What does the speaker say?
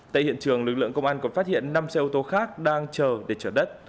tại hiện trường lực lượng công an còn phát hiện năm xe ô tô khác đang chờ để chở đất